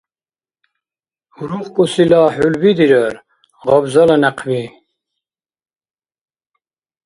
УрухкӀусила хӀулби дирар, гъабзала — някъби.